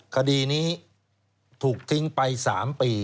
คดีนี้ถูกทิ้งไป๓ปี